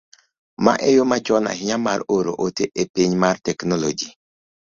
mae e yo machon ahinya mar oro ote e piny mar teknoloji